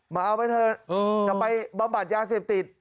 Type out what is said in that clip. เอาไปเถอะจะไปบำบัดยาเสพติด